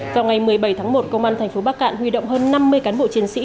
vào ngày một mươi bảy tháng một công an thành phố bắc cạn huy động hơn năm mươi cán bộ chiến sĩ